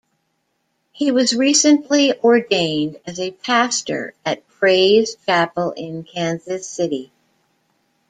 He was recently ordained as a Pastor at Praise Chapel in Kansas City.